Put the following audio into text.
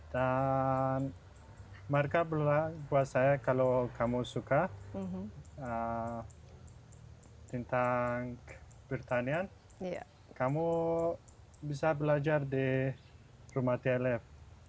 dan mereka bilang buat saya kalau kamu suka tentang pertanian kamu bisa belajar di rumah tlf